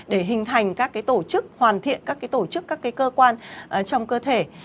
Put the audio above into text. để hình thành các cái tổ chức hoàn thiện các cái tổ chức các cái cơ quan trong cơ thể